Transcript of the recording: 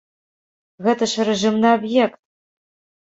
Гэта ж рэжымны аб'ект!